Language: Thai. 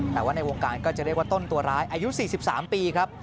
แต่ว่าในวงการก็จะเรียกว่าต้นตัวร้ายอายุ๔๓ปีครับ